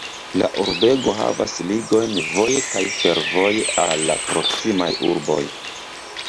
La urbego havas ligojn voje kaj fervoje al la proksimaj urboj.